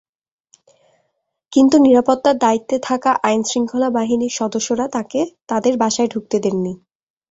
কিন্তু নিরাপত্তার দায়িত্বে থাকা আইনশৃঙ্খলা বাহিনীর সদস্যরা তাঁদের বাসায় ঢুকতে দেননি।